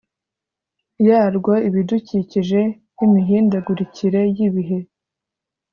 Yarwo ibidukikije n imihindagurikire y ibihe